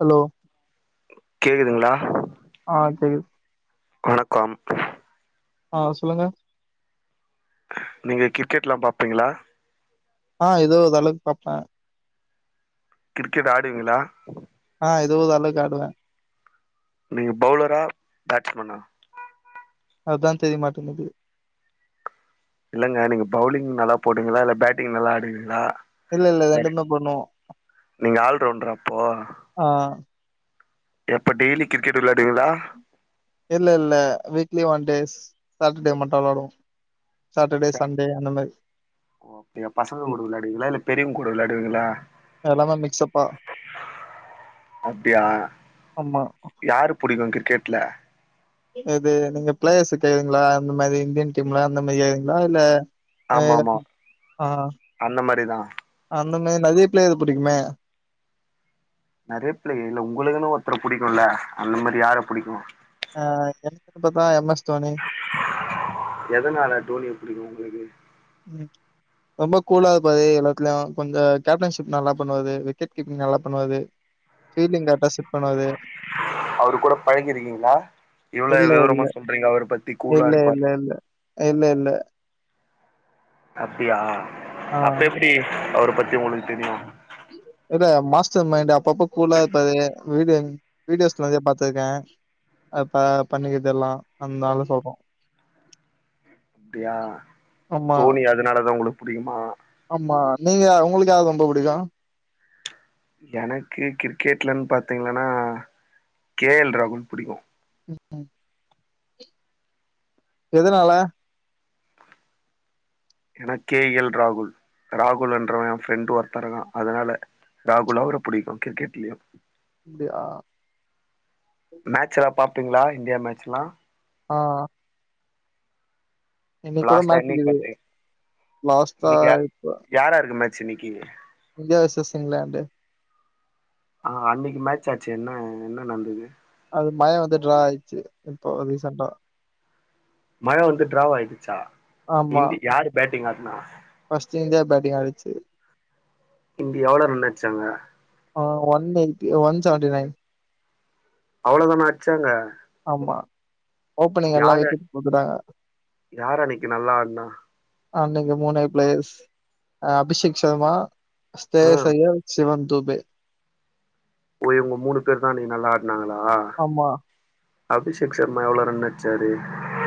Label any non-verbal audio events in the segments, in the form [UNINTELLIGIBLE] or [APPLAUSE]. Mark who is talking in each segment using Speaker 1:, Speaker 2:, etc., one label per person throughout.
Speaker 1: Hello
Speaker 2: கேக்குதுங்ளா
Speaker 1: ஆ கேக்குது
Speaker 2: வணக்கம்
Speaker 1: ஆ சொல்லுங்க
Speaker 2: நீங்க கிரிக்கெட்லா பார்ப்பீங்ளா
Speaker 1: ஆ, ஏதோ ஓரளவுக்கு பாப்ப
Speaker 2: கிரிக்கெட் ஆடுவீங்ளா?
Speaker 1: ஆ, ஏதோ ஓரளவுக்கு ஆடுவே
Speaker 2: நீ பௌலரா? பேட்ஸ்மேனா?
Speaker 1: அதுதா தெரியமாட்டுங்குது
Speaker 2: இல்லங்க, நீங்க பவுலிங் நல்லா போடுவிங்களா? இல்ல பேட்டிங் நல்லா ஆடுவீங்களா?
Speaker 1: இல்ல இல்ல ரெண்டுமே பண்ணுவோ
Speaker 2: நீங்க ஆல்ரவுண்ட்ரா அப்போ
Speaker 1: ஆ
Speaker 2: எப்ப டெய்லி கிரிக்கெட் விளாடுவிங்ளா
Speaker 1: இல்ல இல்ல, வீக்லி ஒன் டேஸ் சாட்டர்டே மட்டு விளாடுவோ சாட்டர்டே
Speaker 2: சார்
Speaker 1: சண்டே அந்த மாரி
Speaker 2: ஓ, அப்டியா பசங்க கூட
Speaker 1: பண்ணுவோம்.
Speaker 2: விளாடுவிங்களா? இல்ல பெரியவங்ககூட விளாடுவீங்களா?
Speaker 1: எல்லாமே மிக்ஸ்ஸப்பா
Speaker 2: அப்டியா
Speaker 1: ஆமா
Speaker 2: யாரு புடிக்கு கிரிக்கெட்ல
Speaker 1: எது? நீங்க பிளேயர்ஸ்ஸ கேக்றீங்களா அந்த மாரி இந்தியன் டீம்ல அந்த மாரி கேக்றீங்ளா இல்ல
Speaker 2: ஆமா
Speaker 1: பிளேயர்
Speaker 2: ஆமா
Speaker 1: ஆ
Speaker 2: அந்த மாரிதா
Speaker 1: அந்தமேரி நெறய பிளேயர புடிக்குமே
Speaker 2: நெறைய பிளே இல்ல உங்களுக்குனு ஒருத்தர புடிக்குல்ல அந்த மாரி, யார புடிக்கு?
Speaker 1: ஆ எனக்குன்னு பாத்தா எம் எஸ் தோனி
Speaker 2: எதனால தோனிய புடிக்கு உங்களுக்கு
Speaker 1: ம் ரொம்ப கூலா இருபாரு எல்லாத்துலயு, கொஞ்சோ கேப்டன்ஷிப் நல்லா பண்ணுவாரு, விக்கெட் கீப்பிங் நல்லா பண்ணுவாரு ஃபீல்டிங் கரெக்ட்டா செட் பண்ணுவாரு
Speaker 2: அவரு கூட பழகிருக்கீங்ளா, இவ்ளோ
Speaker 1: இல்ல இல்ல
Speaker 2: விவரமா சொல்றீங்க அவர பத்தி கூலா
Speaker 1: இல்ல
Speaker 2: இருப்பாரு
Speaker 1: இல்ல இல்ல இல்ல இல்ல
Speaker 2: அப்டியா
Speaker 1: ஆ
Speaker 2: அப்ப எப்டி அவர பத்தி உங்களுக்கு தெரியு
Speaker 1: இத மாஸ்டர் மைண்ட் அப்பப்ப கூலா இருப்பாரு வீடி வீடியோஸ் நெறய பாத்துருக்கே அ ப பண்ணிக்கிறது எல்லா அதுனால சொல்றோ
Speaker 2: அப்டியா,
Speaker 1: ஆமா
Speaker 2: தோனி அதனாலதா உங்களுக்கு புடிக்குமா
Speaker 1: ஆமா, நீங்க உங்களுக்கு யார ரொம்ப புடிக்கு
Speaker 2: எனக்கு கிரிக்கெட்லன்னு பாத்தீங்கனா கே எல் ராகுல் புடிக்கு
Speaker 1: ம், ம் எதனால
Speaker 2: ஏனா கே எல் ராகுல், ராகுல் என்றவ எ ஃப்ரெண்ட் ஒருத்த இருக்கா அதனால ராகுல் அவர புடிக்கு கிரிக்கெட்லியு
Speaker 1: அப்டியா
Speaker 2: மேட்ச் எல்லா பாப்பீங்ளா இந்தியா மேட்ச்ல்லா
Speaker 1: ஆ
Speaker 2: இப்ப
Speaker 1: இன்னைக்கு கூட
Speaker 2: லாஸ்டா
Speaker 1: மேட்ச்
Speaker 2: என்னைக்கி
Speaker 1: இருக்குது
Speaker 2: பாத்திங்
Speaker 1: லாஸ்ட்டா
Speaker 2: இன்னைக்கு யா
Speaker 1: இப்ப
Speaker 2: யாராருக்கு மேட்ச் இன்னைக்கி
Speaker 1: இந்தியா வர்சஸ் இங்லாண்ட்
Speaker 2: ஆ, அன்னைக்கி மேட்ச்சாச்சே என்ன என்ன நடந்தது
Speaker 1: அது மழ வந்து ட்ரா ஆயிடுச்சு இப்போ ரீசண்ட்டா
Speaker 2: மழ வந்து ட்ராவாயிடுச்சா
Speaker 1: ஆமா
Speaker 2: இண்டி யாரு பேட்டிங் ஆடுனா
Speaker 1: ஃபர்ஸ்ட் இந்தியா பேட்டிங் ஆடுச்சு
Speaker 2: இந்தியா எவ்ளோ ரன் அடிச்சாங்க
Speaker 1: ஆ ஒன் எயிட்டி ஒன் செவன்டிநைன்
Speaker 2: அவ்வளோதானா அச்சாங்க
Speaker 1: ஆமா ஓப்பனிங் எல்லா விக்கெட் குடுத்ட்டாங்க
Speaker 2: யார் அன்னைக்கு நல்லா ஆடுனா
Speaker 1: அன்னைக்கு மூனே பிளேயர்ஸ் அ அபிஷேக் ஷர்மா
Speaker 2: ஆ
Speaker 1: ஸ்ரேயாஸ் ஐயர் சிவன் தூபே
Speaker 2: ஓ இவங்க மூணு பேர் தா இன்னிக்கி நல்லா ஆடனாங்களா
Speaker 1: ஆமா
Speaker 2: அபிஷேக் ஷர்மா எவ்ளோ ரன் அச்சாரு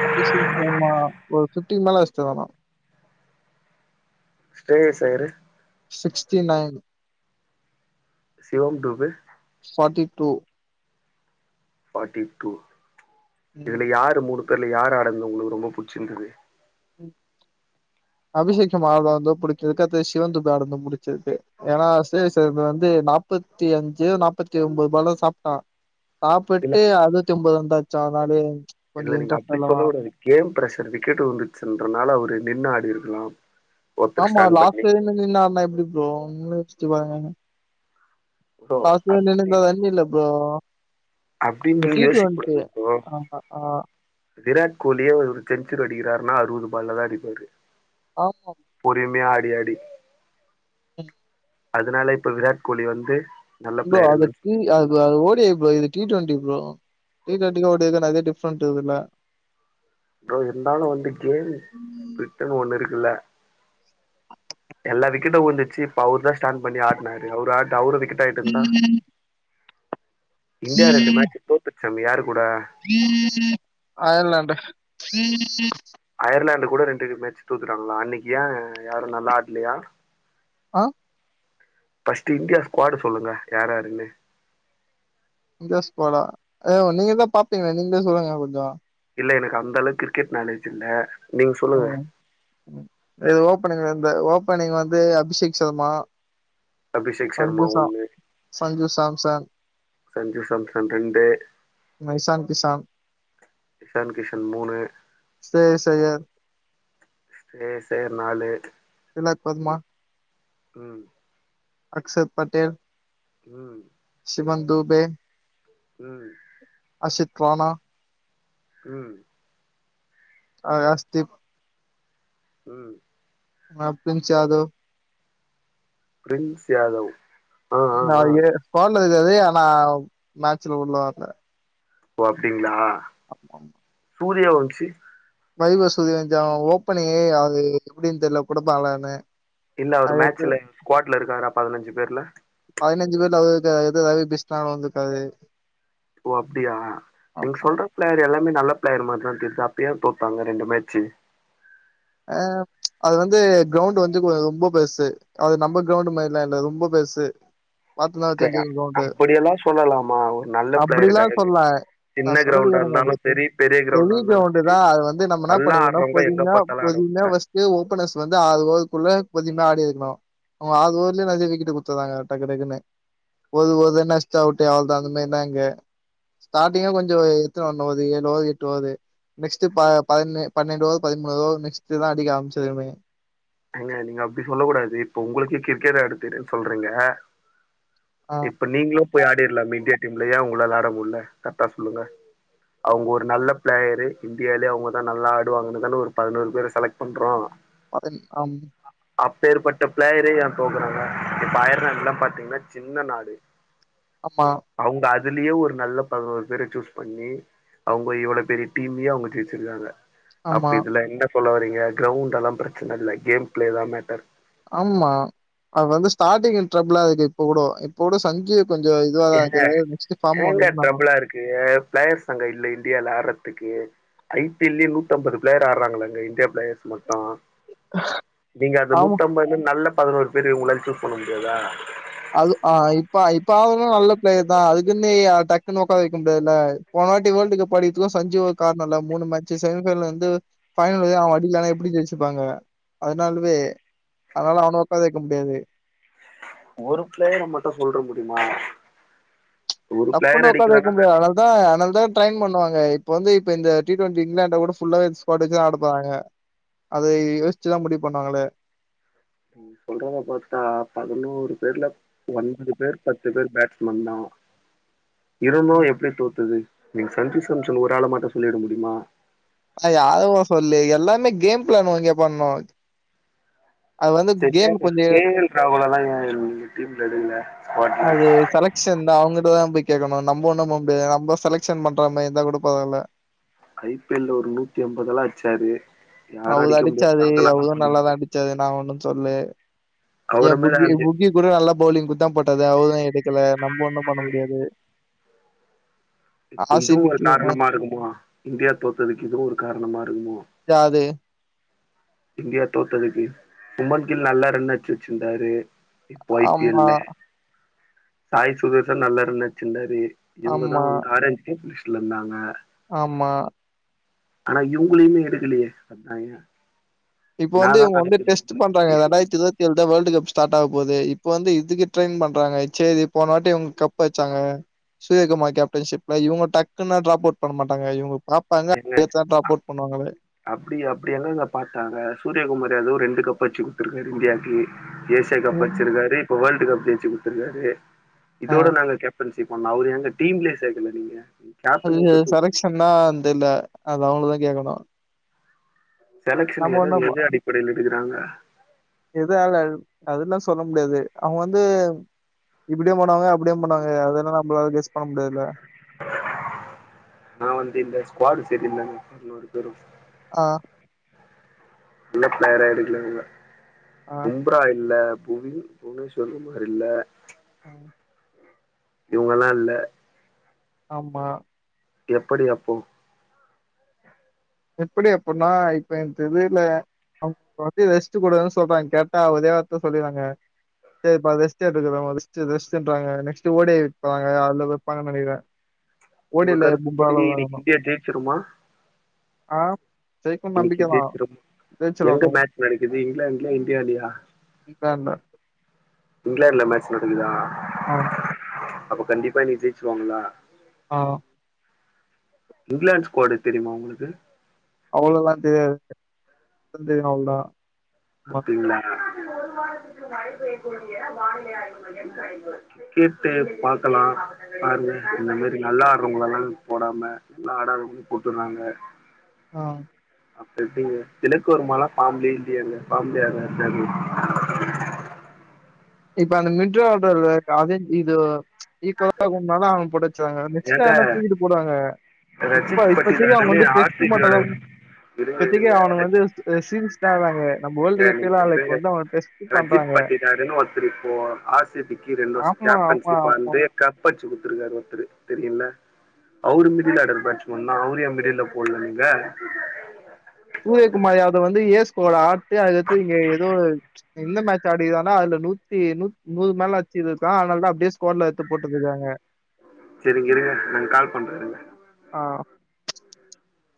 Speaker 1: அபிஷேக் ஷர்மா ஒரு ஃபிஃப்ட்டிக்கு மேலே அச்சிட்டாரு ஆனா
Speaker 2: Shreyas Iyer
Speaker 1: sixty nine
Speaker 2: Shivam Dube
Speaker 1: forty two
Speaker 2: forty two
Speaker 1: ம்.
Speaker 2: இதுல யாரு மூணு பேர்ல யார் ஆடந்து உங்களுக்கு ரொம்ப புடிச்சிந்தது
Speaker 1: ம் அபிஷேக் ஷர்மா ஆடறது புடிச்சிருக்கு அடுத்து சிவன் துபே ஆடறது புடிச்சிருக்கு ஏன்னா ஸ்ரேஸ் ஐயர் வந்து நாப்பத்தி அஞ்சு நாப்பத்தி ஒன்பதுலோ சாப்ட்டா
Speaker 2: இல்ல
Speaker 1: சாப்ட்டு அதுத்தொபது வந்துச்சா தனாலு
Speaker 2: இல்ல நீங்க அப்டி சொல்ல கூடாது கேம் பிரஷர் விக்கெட் வுழுந்துச்சன்றனால அவரு நின்னு ஆடிருக்கலாம்
Speaker 1: ஆமா லாஸ்ட் வரயுலு நின்னு ஆடனா எப்டி ப்ரோ ஒன்னு வச்சட்டு பாருங்க
Speaker 2: ப்ரோ
Speaker 1: லாஸ்ட் வர
Speaker 2: அப்டின்னு
Speaker 1: நின்னிருந்தா ரன் இல்ல ப்ரோ
Speaker 2: அப்டின்னு
Speaker 1: இது
Speaker 2: நீங்க
Speaker 1: டி
Speaker 2: யோசிக்க
Speaker 1: டுவென்டி
Speaker 2: கூடாதுப் ப்ரோ
Speaker 1: ஆமா ஆ
Speaker 2: விராட் கோலியே ஒரு செஞ்சூரி அடிக்கிறாருன்னா அறுவது பால்ல தா அடிப்பாரு
Speaker 1: ஆமா
Speaker 2: பொரிமையா ஆடி ஆடி
Speaker 1: ம்
Speaker 2: அதனால இப்ப விராட் கோலி வந்து நல்ல
Speaker 1: ப்ரோ
Speaker 2: பிளேயர்
Speaker 1: அது
Speaker 2: இல்லைன்னு
Speaker 1: டி
Speaker 2: சொல்ல
Speaker 1: அது
Speaker 2: முடியுமா
Speaker 1: அது [UNINTELLIGIBLE] ப்ரோ இது டி டுவெண்டி ப்ரோ டி டுவெண்டிக்கு ஓன்டேக்கு நெறைய டிஃப்ரெண்ட் இருக்கில்ல
Speaker 2: புரோ இருந்தாலு வந்து கேம் பிரிட்டன்னு ஒன்னு இருக்குல்ல எல்லா விக்கெட்டும் உந்துச்சு இப்ப அவர்தா ஸ்டாண்ட் பண்ணி ஆட்னாரு அவரு ஆ அவரு விக்கெட் ஆயிட்டு இருந்தா இந்தியா ரெண்டு மேட்ச தோத்துருச்சமே யாரு கூட
Speaker 1: அயர்லாண்டு்
Speaker 2: அயர்லாண்ட் கூட ரெண்டு மேட்ச் தேத்துட்டாங்களா அன்னைக்கு ஏ யாரு நல்ல ஆடலயா
Speaker 1: ஆ
Speaker 2: ஃப்ர்ஸ்ட் இந்தியா ஸ்குவாடு சொல்லுங்க யார் யாருன்னு
Speaker 1: இந்திய ஸ்குவாடா அ நீங்க தா பாப்பீங்களா நீங்களே சொல்லுங்க கொஞ்சோ
Speaker 2: இல்ல எனக்கு அந்த அளவுக்கு கிரிக்கெட் நாலேஜ் இல்ல நீங்க சொல்லுங்க
Speaker 1: ம் இது ஓப்பனிங் இருந்த ஓபனிங் வந்து அபிஷேக் சர்மா
Speaker 2: அபிஷேக் சர்மா
Speaker 1: சஞ்சு சா
Speaker 2: ஒண்ணு
Speaker 1: சஞ்சு சாம்சன்
Speaker 2: சஞ்சு சாம்சன் ரெண்டு
Speaker 1: ஆ இஷான் கிசான்
Speaker 2: இஷான் கிஷன் மூணு
Speaker 1: ஸ்ரேஸ் ஐயர்
Speaker 2: ஸ்ரேஸ் ஐயர் நாலு
Speaker 1: திலக் வர்மா
Speaker 2: ம்
Speaker 1: அக்க்ஷத் பட்டேல்
Speaker 2: ம்
Speaker 1: சிவன் தூபே
Speaker 2: ம்
Speaker 1: அஷித் ரானா
Speaker 2: ம்
Speaker 1: அ ஆஸ்திப்
Speaker 2: ம்
Speaker 1: நப்பின்ச் யாதோவ்
Speaker 2: பிரின்ஸ் யாதோவ்
Speaker 1: நா ஏ பால்ல இது எதயேனா மேட்ச்சில உள்ள வர்ல
Speaker 2: ஓ அப்டிங்ளா
Speaker 1: அப்பம்
Speaker 2: சூரிய வம்சி
Speaker 1: வரி வசூதி வஞ்சோ ஓப்பனையே அது எப்டின் தெர்ல குடுப்பாலானு
Speaker 2: இல்ல அவுரு மேட்ச்சில இன்ச்சி கோட்ல இருக்காரா பதனஞ்சு பேர்ல
Speaker 1: பதினஞ்சு பேர்ல அவுத எது ரவி பிஷ்னாலு வந்திருக்காது
Speaker 2: ஓ அப்டியா நீங்
Speaker 1: ஆமா
Speaker 2: சொல்றத் பிளேயர் எல்லாமே நல்லப் பிளேயர் மார்தா தெர்து அப்ப ஏ தோத்தாங்க ரெண்டு மேட்ச்சு
Speaker 1: அ அது வந்து கிரௌண்டு வந்து கொஞ்ச ரொம்ப பெருசு அது நம்ம கிரௌண்டு மாரிலா இல்ல ரொம்ப பெருசு பாத்துந்தா தெஞ்சுக்கு கிரௌண்டு
Speaker 2: அப்படியெல்லாம் சொல்லலாமா ஒரு நல்ல பிளேயருக்கு
Speaker 1: அப்டிலா
Speaker 2: அழகு
Speaker 1: சொல்ல
Speaker 2: இல்லை
Speaker 1: நா
Speaker 2: சின்ன
Speaker 1: சொல்றது
Speaker 2: கிரவுண்டா
Speaker 1: கேளுங்க
Speaker 2: இருந்தாலும்
Speaker 1: பஸ்ட்டு
Speaker 2: சரி கிரவுண்டா
Speaker 1: பெரிய
Speaker 2: இருந்தாலும் சரி
Speaker 1: கிரௌண்டுதா அது வந்து நம்ம எனாப்
Speaker 2: நல்லா
Speaker 1: பண்ணிக்கணும்
Speaker 2: ஆடுறவங்க எங்க
Speaker 1: பொதிம்யா
Speaker 2: பார்த்தாலும் ஆடுவாங்க
Speaker 1: பொதின வஸ் கே ஓபனஸ் வந்து ஆது ஓதுக்குள்ள கொஞ்சின்தா ஆடி இருக்ணு வு ஆது ஊர்லியே நஜ்ஜினிகிட்ட குட்த்துர்றாங்க டக்கு டக்குனு ஓது ஓது நஷ்டவுட்டு அவுள்தா அந்த மேயிந்தா இங்க ஸ்டார்டிங்கே கொஞ்சோ எத்துன ஒன்னோவுது ஏழு ஓவது எட்டு ஓவது நெக்ஸ்ட்டு ப பதினே பனெண்டோவத் பதிமூனோவத் நெக்ஸ்ட்டுதா அடிக்க ஆம்பிச்சதுமே
Speaker 2: எங்க நீங்க அப்டி சொல்ல கூடாது இப்ப உங்களுக்கு கிரிக்கெட் ஆடத் தெரியுன் சொல்றீங்க
Speaker 1: ஆ
Speaker 2: இப்ப நீங்ளும் போய் ஆடிர்லாமே இன்டியா டீம்ல ஏ உங்ளால ஆட முல்ல கர்ட்டா சொல்லுங்க அவுங்க ஒரு நல்லப் பிளேயரு இந்தியாலயே அவுங்கதா நல்லா ஆடுவாங்கனுதானே ஒரு பதினோரு பேர செலக்ட் பண்றோ
Speaker 1: வகதி அம்
Speaker 2: அப்பேற்பட்ட ப்ளேயரே ஏந் தோக்கறாங்க. இப்ப அயர் நாட்லாம் பாத்தீங்னா சின்ன நாடு
Speaker 1: அப்பா
Speaker 2: அவுங்க அதுலியே ஒரு நல்லப் பதினோரு பேர சூஸ் பண்ணி அவுங்க இவ்ளோப் பெரிய டீம்மியே அவுங்க ஜெய்ச்சுர்காங்க
Speaker 1: ஆமா,
Speaker 2: அப்ப இதுல என்ன சொல்ல வரீங்க. கிரௌண்ட்டல்லாம் பிரச்சன இல்ல. கேம் ப்ளேதா மேட்டர்.
Speaker 1: ஆம்மா அது வந்து ஸ்டாடிங்கு ட்ரபிளாருக்கு இப்ப கூடோ இப்ப கூடோ சஞ்சீப் கொஞ்சோ இதுவாதாருக்கு நெக்ஸ்ட்டு ஃபார்ம் ஒன்னு பண்ணனு
Speaker 2: கேப் ப்ளேயர்ஸ் அங்க இல்ல இன்டியால ஆர்றதுக்கே ஐ பி எல்லியே நூத்தம்பது பிளேயர் ஆர்றாங்களாங்க இந்தியா பிளேயர்ஸ் மட்டு நீங்க அந்த
Speaker 1: ஆமா.
Speaker 2: நூத்தம்பதுல நல்லப் பதனோருப் பேரு உங்களால் சூஸ் பண்ண முடியாதா
Speaker 1: அது ஆ இப்ப இப்ப ஆடுறதும் நல்ல பிளேயர் தா அதுக்குனேய டக்குனு ஒக்கார வைக்கமுடியாதுல போன வாட்டி வேல்டு கப் அடிச்சதும் சஞ்சுவா காரண இல்ல மூனுமேட்சு செமிஃபைனல் வந்து ஃபைனலயே அவ அடிக்கலனா எப்டி ஜெயிச்சுப்பாங்க அதனாலவே அதனால அவன ஒக்கார வெக்க முடியாது
Speaker 2: ஒரு பிளேயர மட்டு சொல்ற முடியுமா ஒரு
Speaker 1: டப்புனு
Speaker 2: பிளேயர்
Speaker 1: ஒக்கார வக்க
Speaker 2: அடிக்கலன்னா
Speaker 1: முடியது அதனால இந்தா அதனால தா ட்ரைன் பண்ணுவாங்க இப்ப வந்து இப்ப இந்த டி டுவெண்டி இங்கிலான்ட ஓட ஃபுல்லாவே இந்த ஸ்குவாடு வச்சு தா ஆட போறாங்க அத யோசிச்சுதா முடிவு பண்ணுவாங்களே
Speaker 2: நீ சொல்றத பாத்தா பதினோரு பேர்ல ஒன்பது பேர் பத்து பேர் பேட்ஸ்மேன் தா இரு‌ந்தும் எப்டி தோத்துது நீங்க சஞ்சு சம்சன் ஒரு ஆள மட்டு சொல்லிட முடியுமா
Speaker 1: நா யாருவு சொல்லியே எல்லாமே கேம் ப்ளான்னு இங்கே பண்ணோ
Speaker 2: செஞ்சாங்க
Speaker 1: கொஞ்சம்
Speaker 2: கே எல் ராகுல லா ஏ டீம் ல எடுக்கல ஸ்குவாடுல
Speaker 1: ஷ இந்தா அவுங்கட்ட தா போய் கேட்கணு‌. நம்ம ஒன்னு போ முடியாது நம்ம செலெக்ஷன் பண்ற மாரியே இருந்தா கூட பரவால
Speaker 2: ஐ பி எல் ல ஒரு நூத்தி அம்பதுல்லா அடுச்சாரு. யார அடிக்க முடியாத சாதனல்லா பண்ணாரு
Speaker 1: செரி நா ஒன்னு சொல்யே ஏ
Speaker 2: அவர மாரி
Speaker 1: புக்கீ
Speaker 2: ஆளு
Speaker 1: புக்கீ கூட நல்லா பவுலிங் குடுத்தா போட்டது அவரதா எடுக்கல நம்ம ஒன்னு பண்ண முடியாது
Speaker 2: இப்ப இதுவு
Speaker 1: ஆர்சிபி
Speaker 2: ஒரு
Speaker 1: டீம் அ
Speaker 2: காரணமா இருக்குமோ. இந்தியா தோத்ததுக்கு இதுவு ஒரு காரணமா இருக்குமோ
Speaker 1: யாரு
Speaker 2: இந்தியா தோத்ததுக்கு சுமன் கில் நல்லா ரன் அடிச்சு வெச்சுருந்தாரு போய்ட்டு
Speaker 1: ஆமா,
Speaker 2: இருந்தே சாய் சுதர்சன் நல்லா ரன் அடிச்சுருந்தாரு இவுங்கதா
Speaker 1: ஆமா,
Speaker 2: வந்து ஆரஞ் டீம் லிஸ்ட்ல இருந்தாங்க
Speaker 1: ஆமா
Speaker 2: ஆனா இவ்ங்களயுமே எடுக்கலயே அதா ஏ
Speaker 1: இப்ப வந்து
Speaker 2: என்னாதா
Speaker 1: இவுங்க வந்து
Speaker 2: நடக்குது
Speaker 1: டெஸ்ட்
Speaker 2: உள்ள இந்த
Speaker 1: பண்றாங்க
Speaker 2: சீசன்
Speaker 1: ரெண்டாய்ரத்தி இருவ த்தியேழு தா வேல்டு கப் ஸ்டார்ட் ஆக போது. இப்ப வந்து இதுக்கு ட்ரெயின் பண்றாங்க செரி போனவாட்டி இவ்ங்க கப் அடிச்சாங்க சூரியகுமார் கேப்டன்ஷிப்ல இவுங்க டக்குன்னுல டிராப் அவுட் பண்ண மாட்டங்க இவுங்க பா ப்பாங்க ஃபேஸ் ஆஃப் ட்ராப் அவுட் பண்ணுவாங்களே
Speaker 2: அப்பிடி அப்பிடியெல்லா இங்க பாத்தாங்க சூரியகுமார் ஏதோ ரெண்டு கப் அடிச்சு குடுத்துருக்காரு இந்தியாக்கு ஏசியா கப்
Speaker 1: ம்.
Speaker 2: அடிச்சுர்க்காரு இப்ப வேர்ல்ட் கப் ஜெய்ச்சு குடுத்துருக்காரு.
Speaker 1: ஆ.
Speaker 2: இதோட நாங்க கே ப்டன்சி பண்ணா அவரு ஏங்க டீம்லயே சேக்கல நீங்க
Speaker 1: அது
Speaker 2: கேப்டன் விட்டு தூக்கு
Speaker 1: செலக்க்ஷன்னா அந்த இல்ல அது அவுங்களதா கேக்கணு
Speaker 2: செலக்ஷன் எத
Speaker 1: ஒண்ணும்
Speaker 2: எது அடிப்படைல எடுக்குறாங்க
Speaker 1: எதால அது அதெல்லா சொல்ல முடியாது அவுங்க வந்து இப்பிடியு பண்ணுவாங்க அப்பிடியு பண்ணுவாங்க. அதெல்லா நம்மளால கெஸ் பண்ண முடியாதுல
Speaker 2: நா வந்த இந்த ஸ்குவாடு செரி இல்லனு பதினோரு பேரு
Speaker 1: ஆ
Speaker 2: நல்ல ப்ளேயரா எடுக்கல இவுங்க
Speaker 1: ஆ,
Speaker 2: உ பும்ரா இல்ல புவின் புவனேஸ்வர் குமார் இல்ல
Speaker 1: ம்
Speaker 2: இவ்ங்கல்லா இல்ல
Speaker 1: ஆமா
Speaker 2: எப்படி அப்போ
Speaker 1: எப்டி அப்பிட்னா இப்ப எனக்கு தெர்லயே அவுங்க வந்து ரெஸ்ட் கொடுக்கன்னு சொல்றாய்ங்க கேட்டா ஒரே வார்த்த சொல்லிராங்க சேரிப்பா ரெஸ்ட் எடுக்குறோங்க ரெஸ்ட்டு ரெஸ்ட்ன்றாங்க நெக்ஸ்ட்டு ஓ டி எடுப்பாங்க அதுல வப்பாங்கன் நெனைக்கிறே
Speaker 2: ஒங்க கருத்துப்படி இன்னக்கி இந்தியா ஜெயிச்சிருமா
Speaker 1: ஆ ஜெயிக்கும்னு
Speaker 2: இன்னிக்கி
Speaker 1: நம்பிக்கை தான்.
Speaker 2: ஜெயிச்சிரு எங்க
Speaker 1: ஜெயிச்சுருவாட்டும்.
Speaker 2: மேட்ச் நடக்குது இங்கிலாந்துலயா இந்தியாலயா
Speaker 1: இங்கிலாந்து ல
Speaker 2: இங்கிலாந்து ல மேட்ச் நடக்குதா
Speaker 1: ஆ
Speaker 2: அப்போ கண்டிப்பா இன்னக்கி ஜெய்ச்சுருவாங்களா
Speaker 1: ஆ
Speaker 2: இங்லாந்து ஸ்கோட் தெரிமா ஒங்ளுக்கு
Speaker 1: அவ்ளோலா தெரியாது தெரியு அவ்ளோதா ஆமா
Speaker 2: அப்டிங்ளா கேட்டு பாக்கலா பாருங்க இந்த மாரி நல்லா ஆட்றோங்களல்லா போடாம நல்லா ஆடாதவங்க போட்டுறாங்க
Speaker 1: ஆ
Speaker 2: அப்ற எப்டிங்க [UNINTELLIGIBLE] வர்மாலா ஃபார்ம்லே இல்லயேங்க ஃபார்ம் லயாங்க இருக்காரு
Speaker 1: இப்ப அந்த மிட்ரோ ஆர்டர்லருக்க அதே இது ஈக்கோலா இருக்குனால அவன போட்டு வச்சுராங்க நெக்ஸ்ட்டா
Speaker 2: ஏங்க
Speaker 1: யார்னா தூக்கிட்டு போடுவாங்க இப்ப
Speaker 2: ரஜித்
Speaker 1: இப்பத்திக்கி அவுங்க
Speaker 2: பட்டிதாருன்னு
Speaker 1: வந்து
Speaker 2: ஆர் சி
Speaker 1: டெஸ்ட்டு
Speaker 2: பி யோட
Speaker 1: மட்டுந்தா
Speaker 2: இருங்க
Speaker 1: இப்பதக்கி அவுனுங்க
Speaker 2: இருங்க
Speaker 1: வந்து சீரிஸ்டா ஆட்றாய்ங்க நம்ம வேர்ல்டு
Speaker 2: ஏங்க, நீங்க
Speaker 1: கப்பிலா ஆட்ல இப்ப வந்து அவன டெஸ்ட்டு பண்றாங்க
Speaker 2: தென் ஒர்த்தர் ப்போ ஆர் சிபி க்கி ரெண்டு வர்ஷோ
Speaker 1: ஆமா ஆமா ஆமா
Speaker 2: கேப்டன்ஷிப்பாந்து கப்படிச்சு குடுத்துருக்காரு ஒருத்தரு தெரியுல அவுரு மிடில் அடல் பேட்ச் மேன் னா அவுர ஏ மிடில்ல போடல நீங்க
Speaker 1: சூரியகுமார் யாதவ் வந்து ஏஸ்கோட் ஆட்டு அத எத்து இங்க ஏதோ எந்த மேட்ச் ஆடிக்கானா அதுல நூத்தி நூ நூறு மேல அச்சிருக்கா அதனாலா அப்டியே ஸ்கோட்ல எட்த்து போட்டுருக்காங்க
Speaker 2: செரிங்க இருங்க நா கால் பண்றே இருங்க
Speaker 1: ஆ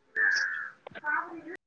Speaker 2: [UNINTELLIGIBLE]